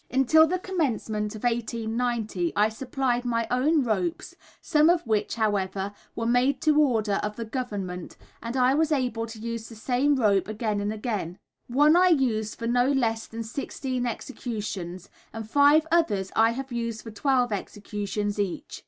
Until the commencement of 1890 I supplied my own ropes, some of which, however, were made to order of the Government, and I was able to use the same rope again and again. One I used for no less than sixteen executions, and five others I have used for twelve executions each.